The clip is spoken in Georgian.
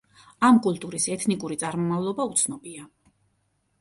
ამ კულტურის ეთნიკური წარმომავლობა უცნობია.